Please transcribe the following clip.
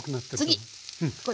次これ。